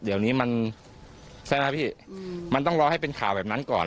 เดี๋ยวนี้มันใช่ไหมพี่มันต้องรอให้เป็นข่าวแบบนั้นก่อน